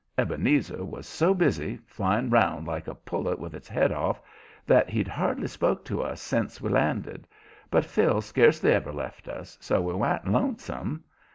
Ebenezer was so busy, flying 'round like a pullet with its head off, that he'd hardly spoke to us sence we landed, but Phil scarcely ever left us, so we wa'n't lonesome.